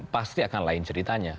pasti akan lain ceritanya